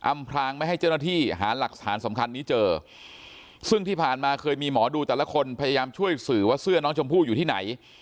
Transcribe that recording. พรางไม่ให้เจ้าหน้าที่หาหลักฐานสำคัญนี้เจอซึ่งที่ผ่านมาเคยมีหมอดูแต่ละคนพยายามช่วยสื่อว่าเสื้อน้องชมพู่อยู่ที่ไหน